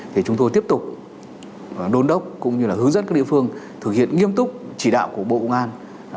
thì chúng tôi tiếp tục đôn đốc cũng như là hướng dẫn các địa phương thực hiện nghiêm túc chỉ đạo của bộ công an